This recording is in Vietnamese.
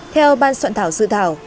theo ban soạn thảo sự thảo